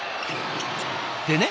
でね